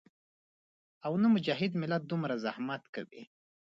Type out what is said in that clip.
او نۀ مجاهد ملت دومره زحمت کوي